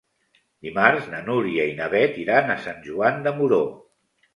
Dimarts na Núria i na Beth iran a Sant Joan de Moró.